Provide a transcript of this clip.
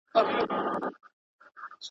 چي باد مي ستا له لاري څخه پلونه تښتوي!